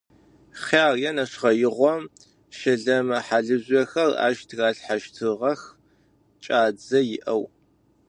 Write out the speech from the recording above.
Хъяр е нэшхъэигъом щэлэмэ-хьалыжъохэр ащ тыралъхьащтыгъэх кӏадзэ иӏэу.